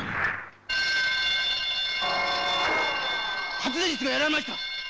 発電室がやられました！